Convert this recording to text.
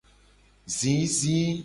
Zizi.